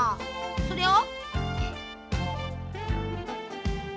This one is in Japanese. それを。